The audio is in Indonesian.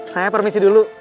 saya permisi dulu